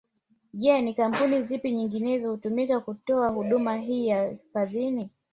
Je ni kampuni zipi nyinginezo hutumika kutotoa huduma hiyo hifadhini